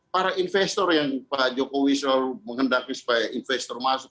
para investor yang pak jokowi selalu menghendaki supaya investor masuk